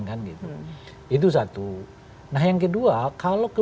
jadi itu adalah hal yang harus kita lakukan